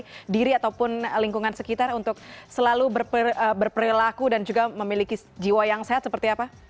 bagi diri ataupun lingkungan sekitar untuk selalu berperilaku dan juga memiliki jiwa yang sehat seperti apa